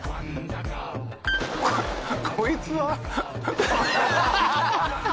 こいつは。